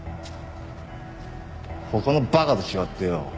他の馬鹿と違ってよ